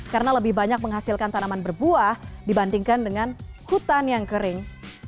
karena lebih banyak menghasilkan tanaman berbuah dibandingkan dengan hutan yang kering